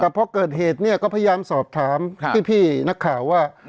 แต่พอเกิดเหตุเนี่ยก็พยายามสอบถามพี่นักข่าวว่า